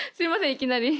いきなり。